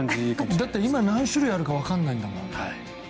だって今何種類あるかわからないんだもん。